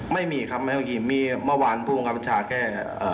ไม่มีครับไม่ต้องกินมีเมื่อวานผู้มังคับมัญชาแค่เอ่อ